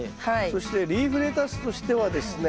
そしてリーフレタスとしてはですね